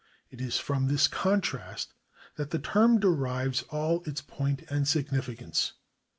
It is from this contrast that the term derives all its point and significance.